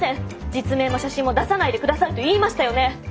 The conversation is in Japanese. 実名も写真も出さないで下さいと言いましたよね？